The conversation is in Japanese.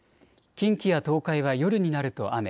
近畿や東海は夜になると雨。